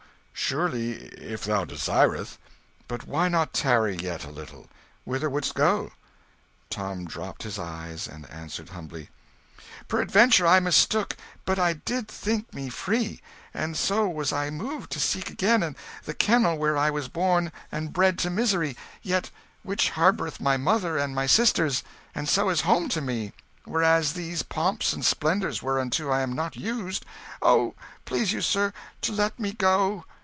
Surely, if thou desirest. But why not tarry yet a little? Whither would'st go?" Tom dropped his eyes, and answered humbly "Peradventure I mistook; but I did think me free, and so was I moved to seek again the kennel where I was born and bred to misery, yet which harboureth my mother and my sisters, and so is home to me; whereas these pomps and splendours whereunto I am not used oh, please you, sir, to let me go!"